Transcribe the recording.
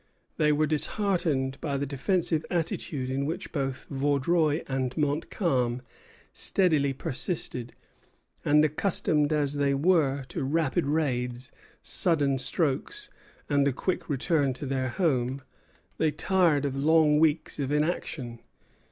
They were disheartened by the defensive attitude in which both Vaudreuil and Montcalm steadily persisted; and accustomed as they were to rapid raids, sudden strokes, and a quick return to their homes, they tired of long weeks of inaction.